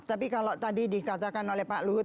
tapi kalau tadi dikatakan oleh pak luhut